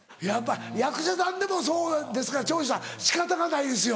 役者さんでもそうですから長州さん仕方がないですよ。